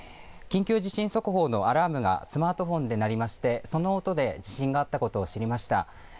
緊急地震速報のアラームがスマートフォンで鳴りましてその音で地震があったことを知りました。